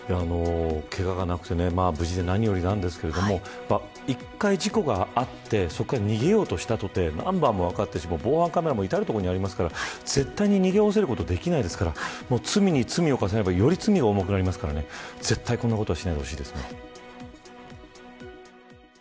けががなくて無事で何よりなんですけれども１回事故があってそこから逃げようとしたとてナンバーは分かって防犯カメラも至る所にありますから絶対に逃げることはできませんから罪に罪を重ねるとより罪が重くなりますから絶対にこんなことしないでほしいです。